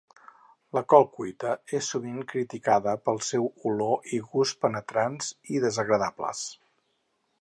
La col cuita és sovint criticada pel seu olor i gust penetrants i desagradables.